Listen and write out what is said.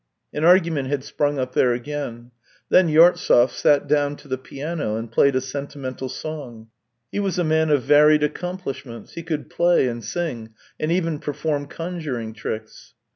An argument had sprung up there again. Then Yartsev sat down to the piano and played a sentimental song. He was a man of varied accomplishments; he could play and sing, and even perform conjuring tricks.